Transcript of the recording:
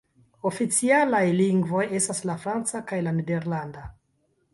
Oficialaj lingvoj estas la franca kaj la nederlanda.